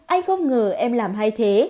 anh không ngờ em làm hay thế